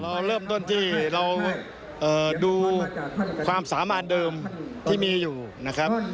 เราเริ่มต้นที่เราดูความสามารถเดิมที่มีอยู่นะครับ